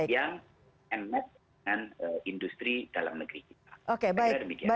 yang end met dengan industri dalam negeri kita